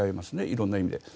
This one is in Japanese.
色んな意味で。